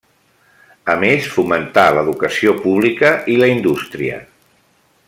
A més, fomentà l'educació pública i la indústria.